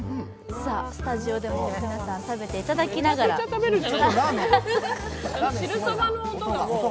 スタジオで皆さんに食べていただきながらうまーい。